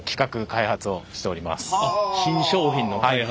新商品の開発？